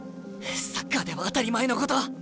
サッカーでは当たり前のこと。